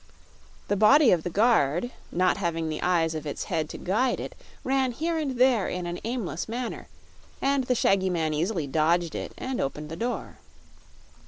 The body of the guard, not having the eyes of its head to guide it, ran here and there in an aimless manner, and the shaggy man easily dodged it and opened the door.